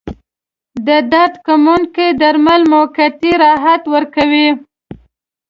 د درد کموونکي درمل موقتي راحت ورکوي.